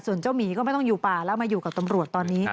ส่วนเจ้าหมีก็ไม่ต้องอยู่ป่าแล้วมาอยู่กับตำรวจตอนนี้